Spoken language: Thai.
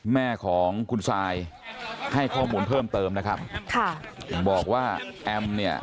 แม่ของคุณซายให้ข้อมูลเพิ่มเติมนะครับค่ะบอกว่าแอมเนี่ย